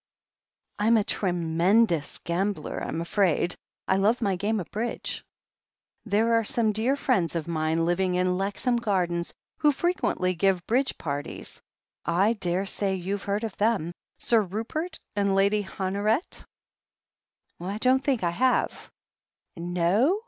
"I'm a tremendous gambler, I'm afraid. I love my game of Bridge. There are some dear friends of mine living in Lexham Gardens, who frequently give Bridge parties. I daresay you've heard of them — Sir Rupert and Lady Honoret?" "I don't think I have." "No?"